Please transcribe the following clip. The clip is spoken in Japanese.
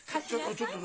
ちょっと何？